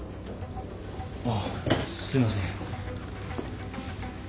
あっすいません。